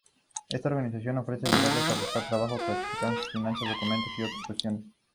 Esta organización ofrece ayudarles a buscar trabajo, clasificar sus finanzas, documentación y otras cuestiones.